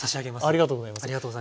ありがとうございます。